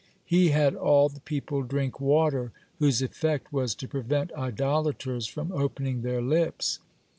He had all the people drink water, whose effect was to prevent idolaters from opening their lips.